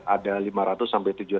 ada lima ratus sampai tujuh ratus